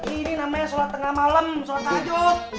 ini namanya salat tengah malem salat sajud